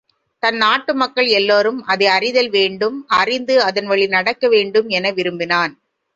தன் நாட்டு மக்கள் எல்லாரும் அதை அறிதல் வேண்டும் அறிந்து அதன் வழி நடக்க வேண்டும் என விரும்பினான்.